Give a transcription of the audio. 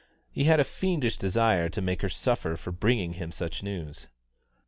He had a fiendish desire to make her suffer for bringing him such news.